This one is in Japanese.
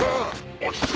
落ち着け！